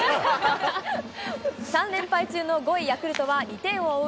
３連敗中の５位ヤクルトは２点を追う